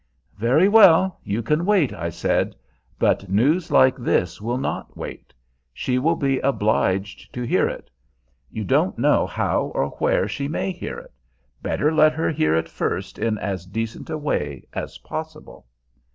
"Very well; you can wait," I said. "But news like this will not wait. She will be obliged to hear it; you don't know how or where she may hear it. Better let her hear it first in as decent a way as possible."